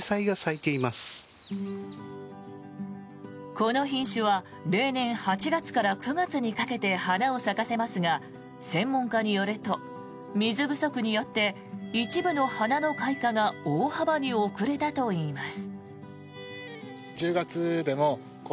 この品種は例年、８月から９月にかけて花を咲かせますが専門家によると、水不足によって一部の花の開花が大幅に遅れたといいます。